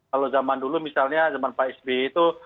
kalau zaman dulu misalnya zaman pak sby itu